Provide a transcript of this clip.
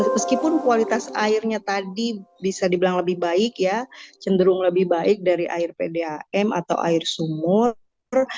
meskipun kualitas airnya tadi bisa dibilang lebih baik ya cenderung lebih baik dari air pdam atau air sumur